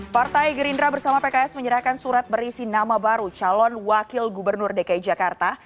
partai gerindra bersama pks menyerahkan surat berisi nama baru calon wakil gubernur dki jakarta